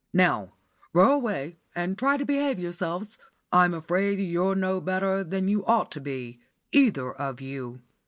Now row away, and try and behave yourselves. I'm afraid you're no better than you ought to be, either of you."